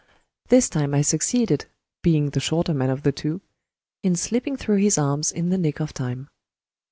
This time I succeeded (being the shorter man of the two) in slipping through his arms in the nick of time.